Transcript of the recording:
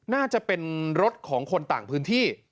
น่าจะเป็นรถของคนต่างพื้นที่